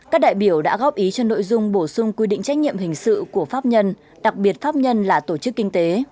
các đại biểu đã góp ý cho nội dung bổ sung quy định trách nhiệm hình sự của pháp nhân đặc biệt pháp nhân là tổ chức kinh tế